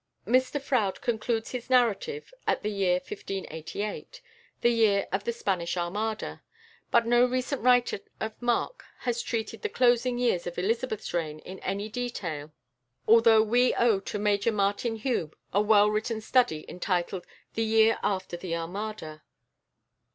Mr Froude concludes his narrative at the year 1588, the year of the Spanish Armada, but no recent writer of mark has treated of the closing years of Elizabeth's reign in any detail, although we owe to Major Martin Hume a well written study entitled "The Year after the Armada."